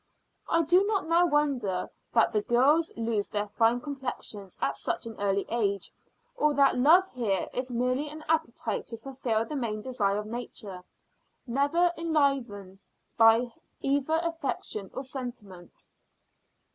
I do not now wonder that the girls lose their fine complexions at such an early age, or that love here is merely an appetite to fulfil the main design of Nature, never enlivened by either affection or sentiment.